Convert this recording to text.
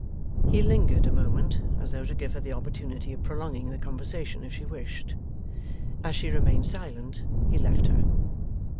He lingered a moment, as though to give her the opportunity of prolonging the conversation if she wished. As she remained silent, he left her.